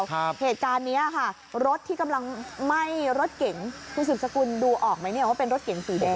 เหตุการณ์เนี้ยค่ะรถที่กำลังไหม้รถเก๋งคุณสืบสกุลดูออกไหมเนี่ยว่าเป็นรถเก๋งสีแดง